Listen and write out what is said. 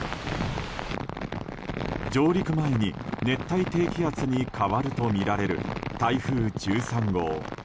上陸前に熱帯低気圧に変わるとみられる台風１３号。